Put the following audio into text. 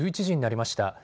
１１時になりました。